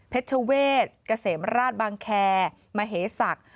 เพชรเวศกระเสมราชบังแครมเหศก